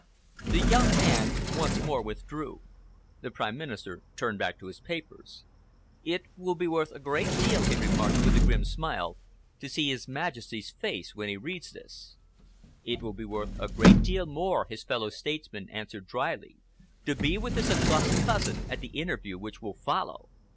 The young man once more withdrew. The Prime Minister turned back to the papers. "It will be worth a great deal," he remarked, with a grim smile, "to see His Majesty's face when he reads this." "It would be worth a great deal more," his fellow statesman answered dryly, "to be with his August cousin at the interview which will follow.